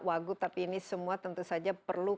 wagub tapi ini semua tentu saja perlu